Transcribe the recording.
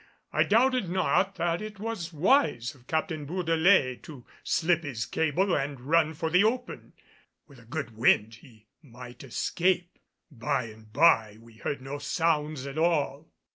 I doubted not that it was wise of Captain Bourdelais to slip his cable and run for the open; with a good wind he might escape. By and by we heard no sounds at all.